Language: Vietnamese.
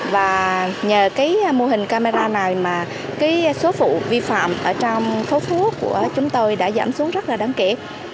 và nhờ cái mô hình camera này mà cái số phụ vi phạm ở trong khối phố của chúng tôi đã giảm xuống rất là đáng kể